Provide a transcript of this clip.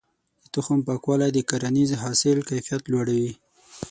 د تخم پاکوالی د کرنیز حاصل کيفيت لوړوي.